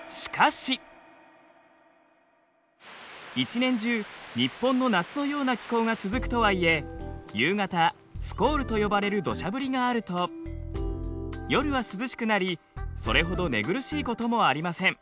一年中日本の夏のような気候が続くとはいえ夕方スコールと呼ばれるどしゃ降りがあると夜は涼しくなりそれほど寝苦しいこともありません。